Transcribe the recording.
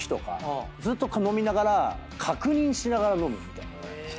ずっと飲みながら確認しながら飲むみたいな。